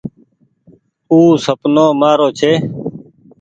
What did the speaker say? او سپنو مآرو ڇي۔